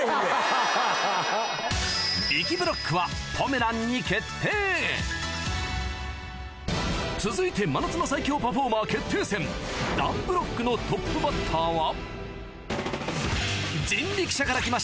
びきブロックはポメランに決定続いて真夏の最強パフォーマー決定戦団ブロックのトップバッターは？